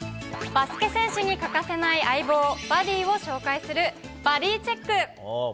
バスケ選手に欠かせない相棒・バディを紹介する、バディチェック。